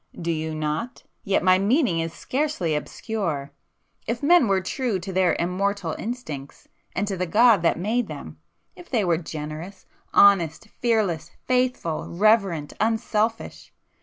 "Do you not? Yet my meaning is scarcely obscure! If men were true to their immortal instincts and to the God that made them,—if they were generous, honest, [p 442] fearless, faithful, reverent, unselfish